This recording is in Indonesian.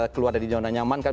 keluar dari zona nyaman kan